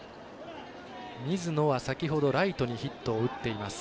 水野は先ほどライトにヒットを打っています。